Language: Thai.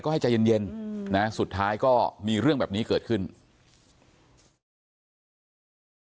เพราะไม่เคยถามลูกสาวนะว่าไปทำธุรกิจแบบไหนอะไรยังไง